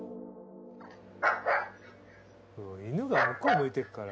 犬が向こう向いてっから。